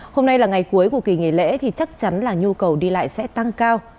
hôm nay là ngày cuối của kỳ nghỉ lễ thì chắc chắn là nhu cầu đi lại sẽ tăng cao